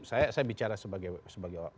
saya bicara sebagai wakil